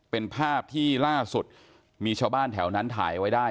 เป็นภาพที่ล่าสุดมีชาวบ้านแถวนั้นถ่ายไว้ได้